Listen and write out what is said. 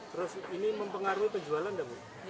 terus ini mempengaruhi penjualan nggak bu